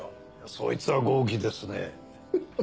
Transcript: そいつは豪気ですね。